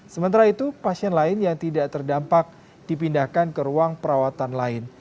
sementara itu pasien lain yang tidak terdampak dipindahkan ke ruang perawatan lain